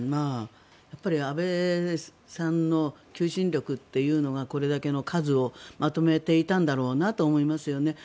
安倍さんの求心力というのがこれだけの数をまとめていたんだろうなと思いますよね。